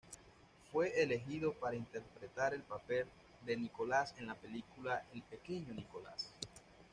Fue elegido para interpretar el papel de Nicolás en la película El pequeño Nicolás.